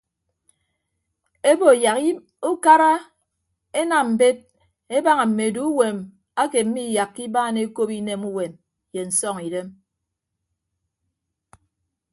Ebo yak ukara enam mbet ebaña mme eduuwem ake miiyakka ibaan ekop inemuwem ye nsọñidem.